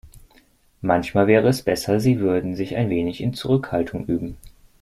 Manchmal wäre es besser, sie würde sich ein wenig in Zurückhaltung üben.